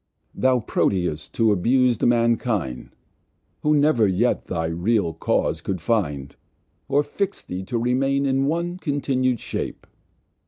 Thou Proteus to abus'd Mankind, Who never yet thy real Cause cou'd find, Or fix thee to remain in one continued Shape.